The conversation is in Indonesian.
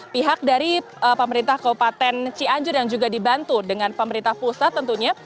pihak dari pemerintah kabupaten cianjur yang juga dibantu dengan pemerintah pusat tentunya